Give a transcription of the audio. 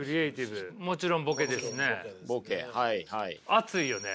熱いよね。